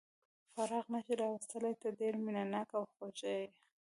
فراق نه شي راوستلای، ته ډېر مینه ناک او خوږ یې.